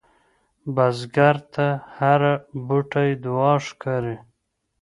بزګر ته هره بوټۍ دعا ښکاري